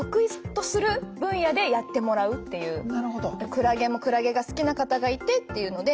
クラゲもクラゲが好きな方がいてっていうので。